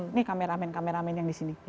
ini kameramen kameramen yang di sini